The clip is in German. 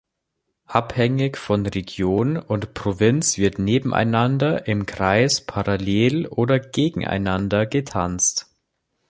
Abhängig von Region und Provinz wird nebeneinander, im Kreis, parallel oder gegeneinander getanzt.